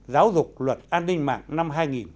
giáo dục luật an ninh mạng năm hai nghìn một mươi